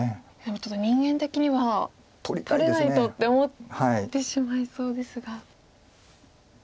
人間的には取れないとって思ってしまいそうですが。